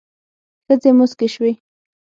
ښځې موسکې شوې.